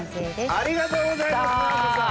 ありがとうございます尚子さん。